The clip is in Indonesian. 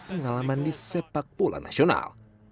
pengalaman di sepak bola nasional